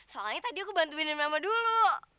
soalnya tadi aku bantuinin mama dulu